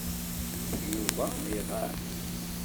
Yuba iɣab.